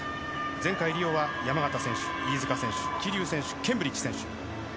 前回リオは山縣選手、飯塚選手桐生選手、ケンブリッジ選手。